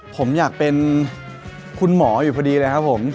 ผมอยากเป็นคุณหมออยู่พอดีเลยครับผม